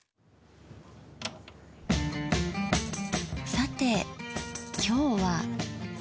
さて今日は。